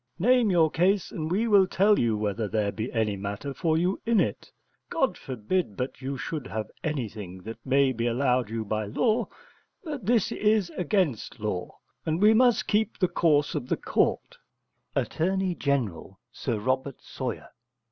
Name your case, and we will tell you whether there be any matter for you in it. God forbid but you should have anything that may be allowed you by law: but this is against law, and we must keep the course of the court. Att. Gen. (Sir Robert Sawyer).